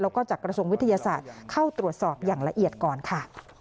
แล้วก็จากกระทรวงวิทยาศาสตร์เข้าตรวจสอบอย่างละเอียดก่อนค่ะ